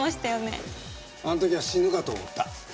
あの時は死ぬかと思った。